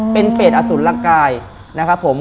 เป็นเปรตอสุนลังกายนะครับผม